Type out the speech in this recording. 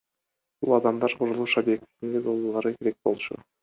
Бул адамдар курулуш объектисинде болуулары керек болчу.